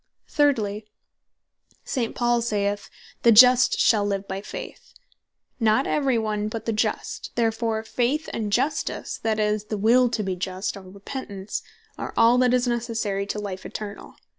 Thirdly, St. Paul saith (Rom. 1.17.) "The Just shall live by Faith;" not every one, but the Just; therefore Faith and Justice (that is, the Will To Be Just, or Repentance) are all that is Necessary to life eternall.